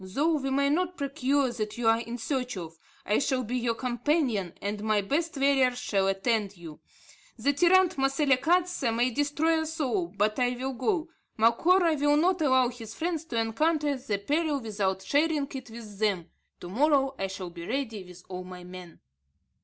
Though we may not procure what you are in search of, I shall be your companion, and my best warriors shall attend you. The tyrant Moselekatse may destroy us all, but I will go. Macora will not allow his friends to encounter the peril without sharing it with them. To morrow I shall be ready with all my men."